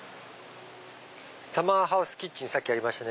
サマーハウスキッチンさっきありましたね。